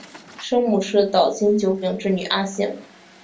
生母是岛津久丙之女阿幸。